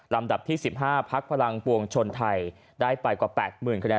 ดับที่๑๕พักพลังปวงชนไทยได้ไปกว่า๘๐๐๐คะแนน